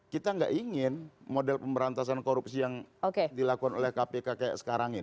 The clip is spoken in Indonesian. kita nggak ingin model pemberantasan korupsi yang dilakukan oleh kpk kayak sekarang ini